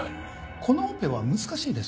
このオペは難しいです。